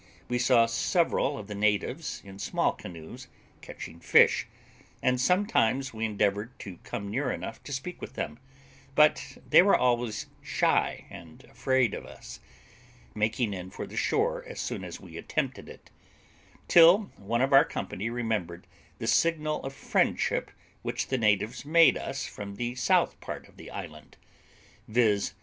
We saw several of the natives in small canoes catching fish, and sometimes we endeavoured to come near enough to speak with them, but they were always shy and afraid of us, making in for the shore as soon as we attempted it; till one of our company remembered the signal of friendship which the natives made us from the south part of the island, viz.